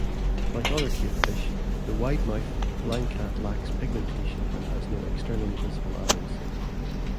Like other cavefish, the widemouth blindcat lacks pigmentation and has no externally visible eyes.